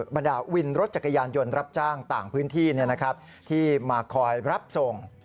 บรรดาวินรถจักรยานยนต์รับจ้างต่างพื้นที่ที่มาคอยรับส่ง